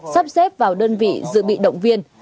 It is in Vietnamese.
sắp xếp vào đơn vị dự bị động viên